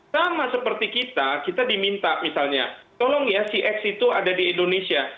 sama seperti kita kita diminta misalnya tolong ya cx itu ada di indonesia